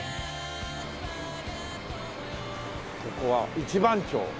ここは「一番町」。